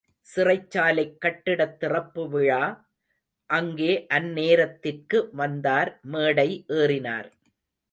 சிறைச்சாலைக் கட்டிடத் திறப்பு விழா — அங்கே அந்நேரத்திற்கு வந்தார் மேடை ஏறினார்.